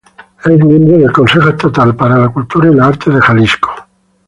Es miembro del Consejo Estatal para la Cultura y las Artes de Jalisco.